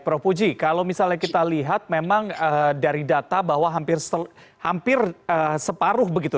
prof puji kalau misalnya kita lihat memang dari data bahwa hampir separuh begitu